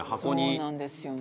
そうなんですよね。